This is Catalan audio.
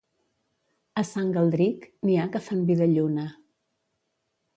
A Sant Galdric, n'hi ha que fan vi de lluna.